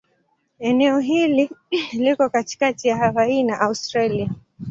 Eneo hili liko katikati ya Hawaii na Australia.